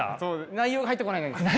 内容は入ってこないです。